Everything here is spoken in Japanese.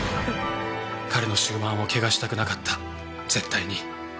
彼の終盤を汚したくなかった絶対に。